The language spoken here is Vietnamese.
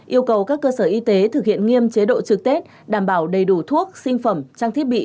yêu cầu các cơ sở y tế thực hiện nghiêm chế độ trực tết đảm bảo đầy đủ thuốc sinh phẩm trang thiết bị